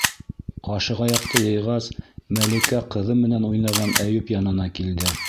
Ҡашығаяҡты йыйғас, Мәликә ҡыҙы менән уйнаған Әйүп янына килде: